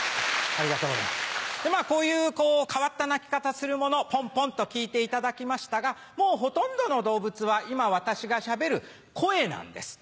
まぁこういう変わった鳴き方するものをポンポンと聴いていただきましたがもうほとんどの動物は今私がしゃべる声なんです。